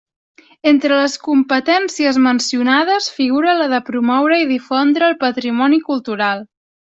Entre les competències mencionades figura la de promoure i difondre el patrimoni cultural.